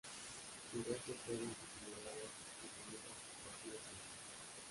Sus restos fueron incinerados; y sus cenizas, esparcidas en el mar.